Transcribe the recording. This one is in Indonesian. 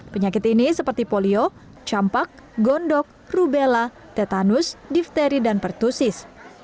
penyakit ini seperti polio campak gondok rubella tetanus difteri dan pertusis